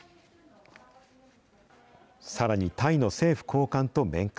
さらにタイの政府高官と面会。